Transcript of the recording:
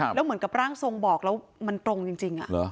แล้วเหมือนกับร่างทรงบอกแล้วมันตรงจริง